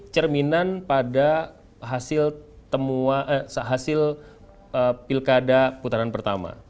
cerminan pada hasil temuan eh hasil pilkada putaran pertama